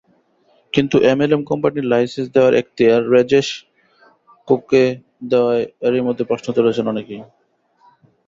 কিন্তু, এমএলএম কোম্পানির লাইসেন্স দেওয়ার এখতিয়ার রেজসকোকে দেওয়ায় এরই মধ্যে প্রশ্ন তুলেছেন অনেকেই।